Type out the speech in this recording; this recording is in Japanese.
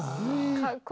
かっこいい。